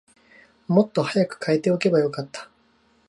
もっと早く替えておけばよかった